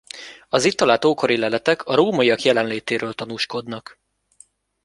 Az itt talált ókori leletek a rómaiak jelenlétéről tanúskodnak.